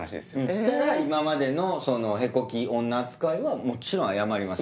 したら今までの屁こき女扱いはもちろん謝ります。